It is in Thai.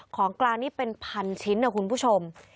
ของกลางนี่เป็นพันชิ้นนะคุณผู้ชม